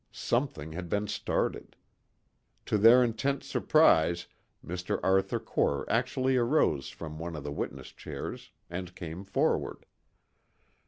Something had been started. To their intense surprise Mr. Arthur Core actually arose from one of the witness chairs and came forward.